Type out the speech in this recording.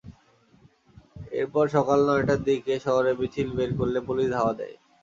এরপর সকাল নয়টার দিকে শহরে মিছিল বের করলে পুলিশ ধাওয়া দেয়।